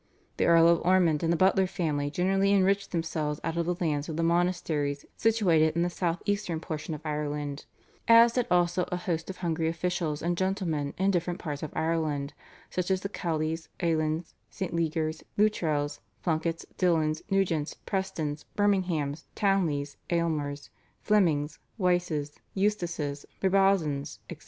The Earl of Ormond and the Butler family generally enriched themselves out of the lands of the monasteries situated in the south eastern portion of Ireland, as did also a host of hungry officials and gentlemen in different parts of Ireland, such as the Cowleys, Alens, St. Legers, Lutrells, Plunketts, Dillons, Nugents, Prestons, Berminghams, Townleys, Aylmers, Flemings, Wyses, Eustaces, Brabazons, etc.